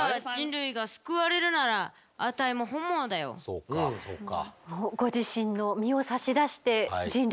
そうかそうか。